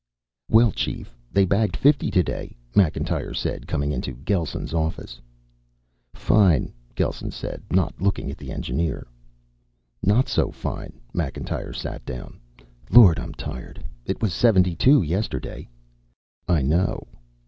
"Well, Chief, they bagged fifty today," Macintyre said, coming into Gelsen's office. "Fine," Gelsen said, not looking at the engineer. "Not so fine." Macintyre sat down. "Lord, I'm tired! It was seventy two yesterday." "I know."